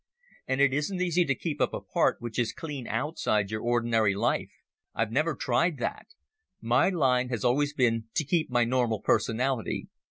And it isn't easy to keep up a part which is clean outside your ordinary life. I've never tried that. My line has always been to keep my normal personality.